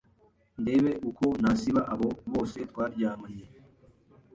ndebe uko nasiba abo bose twaryamanye